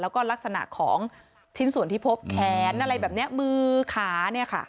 แล้วก็ลักษณะของชิ้นส่วนที่พบแขนอะไรแบบนี้มือขาเนี่ยค่ะ